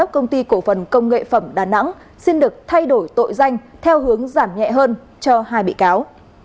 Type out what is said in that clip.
công ty cổ phần công nghệ phẩm đà nẵng xin được thay đổi tội danh theo hướng giảm nhẹ hơn cho hai bị cáo